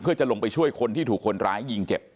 เพื่อจะลงไปช่วยคนที่ถูกคนร้ายยิงเจ็บ